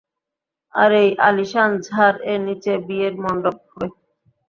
আর এই আলিশান ঝাড় এর নিচে, বিয়ের মন্ডপ হবে।